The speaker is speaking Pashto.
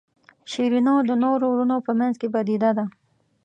شیرینو د نورو وروڼو په منځ کې بېده ده.